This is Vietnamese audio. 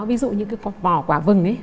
ví dụ như cái vỏ quả vừng ấy